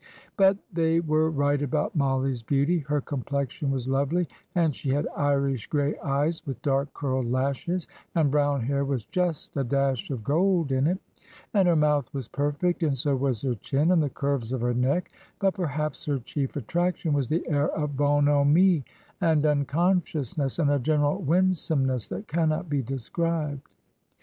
But they were right about Mollie's beauty: her complexion was lovely, and she had Irish grey eyes with dark curled lashes, and brown hair with just a dash of gold in it; and her mouth was perfect, and so was her chin and the curves of her neck; but perhaps her chief attraction was the air of bonhomie and unconsciousness and a general winsomeness that cannot be described.